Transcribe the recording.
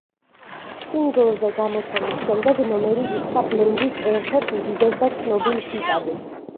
სინგლზე გამოცემის შემდეგ ნომერი იქცა ბლენდის ერთ-ერთ უდიდეს და ცნობილ ჰიტად.